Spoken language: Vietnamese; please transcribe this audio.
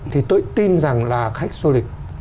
thì tôi tin rằng là khách du lịch